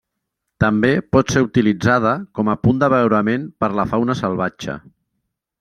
També pot ser utilitzada com a punt d'abeurament per la fauna salvatge.